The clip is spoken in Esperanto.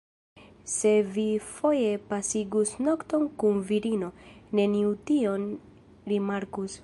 Se vi foje pasigus nokton kun virino, neniu tion rimarkus.